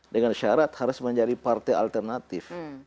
dengan syarat harus menjadi partai alternatif